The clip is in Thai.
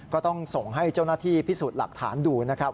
ก็ต้องส่งให้เจ้าหน้าที่พิสูจน์หลักฐานดูนะครับ